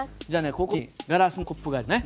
ここにガラスのコップがありますよね。